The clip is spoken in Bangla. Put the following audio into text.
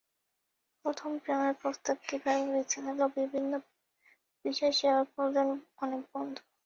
প্রথম প্রেমের প্রস্তাব, কীভাবে বিচ্ছেদ হলো বিভিন্ন বিষয় শেয়ার করলেন অনেক বন্ধু।